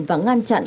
và ngăn chặn